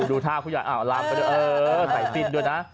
ดูท่าผู้ใหญ่ลำไปด้วยใส่ฟิลด์ด้วยนะ